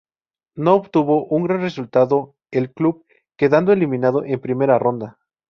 No obtuvo un gran resultado el club, quedando eliminado en primera ronda.